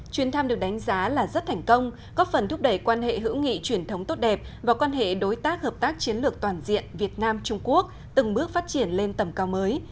chuyến thăm được đánh giá là rất thành công góp phần thúc đẩy quan hệ hữu nghị truyền thống tốt đẹp và quan hệ đối tác hợp tác chiến lược toàn diện việt nam trung quốc từng bước phát triển lên tầm cao mới